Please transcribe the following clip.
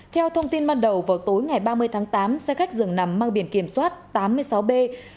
theo thông tin ban đầu vào tối ngày ba mươi tháng tám xe khách dường nằm mang biển kiểm soát tám mươi sáu b một trăm ba mươi hai